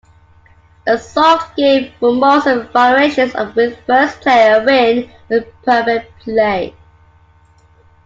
A solved game for most of its variations, with first-player win with perfect play.